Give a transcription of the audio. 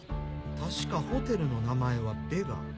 確かホテルの名前はベガ。